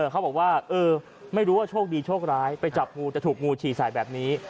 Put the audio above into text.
เขาบอกว่าไม่รู้ว่าโชคดีโชคร้ายไปจับงูจะถูกงูฉี่ใส่แบบนี้